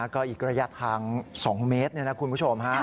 ก็อีกระยะทาง๒เมตรคุณผู้ชม